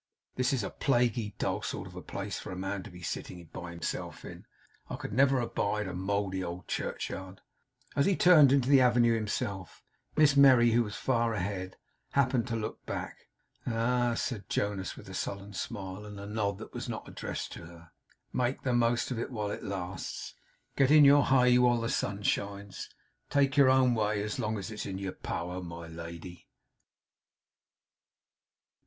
This is a plaguey dull sort of a place for a man to be sitting by himself in. I never could abide a mouldy old churchyard.' As he turned into the avenue himself, Miss Merry, who was far ahead, happened to look back. 'Ah!' said Jonas, with a sullen smile, and a nod that was not addressed to her. 'Make the most of it while it lasts. Get in your hay while the sun shines. Take your own way as long as it's in your power, my lady!